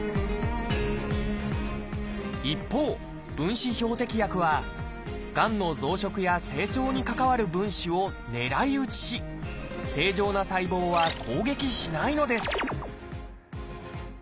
一方分子標的薬はがんの増殖や成長に関わる分子を狙い撃ちし正常な細胞は攻撃しないのです